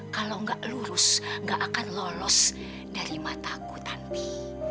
kalau gak lurus gak akan lolos dari mataku tante